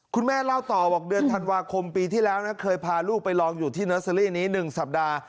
คุณแม่เล่าต่อบอกเดือนธันวาคมปีที่แล้วนะเคยพาลูกไปลองอยู่ที่เนอร์เซอรี่นี้๑สัปดาห์